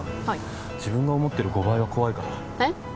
はい自分が思ってる５倍は怖いからえっ？